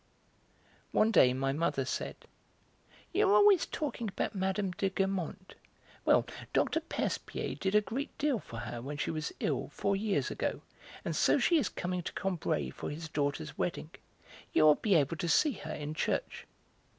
One day my mother said: "You are always talking about Mme. de Guermantes. Well, Dr. Percepied did a great deal for her when she was ill, four years ago, and so she is coming to Combray for his daughter's wedding. You will be able to see her in church."